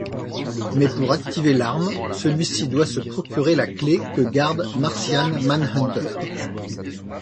Mais pour activer l'arme, celui-ci doit se procurer la clef que garde Martian Manhunter.